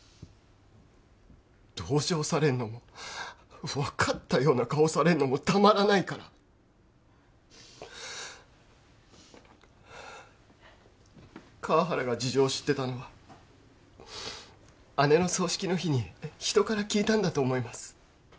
同情されるのも分かったような顔されるのもたまらないから川原が事情を知ってたのは姉の葬式の日に人から聞いたんだと思います